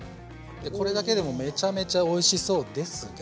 これだけでもめちゃめちゃおいしそうですが。